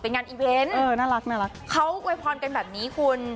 เป็นงานอีเวนต์เออน่ารักน่ารักเขาไวพรเป็นแบบนี้คุณ